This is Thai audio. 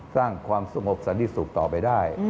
สร้างความสงบสันติสุขต่อไปได้